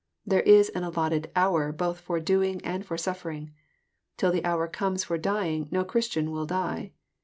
There is an allotted " hour " both for doing and for suffering. Till the hour comes for dying no Christian will die.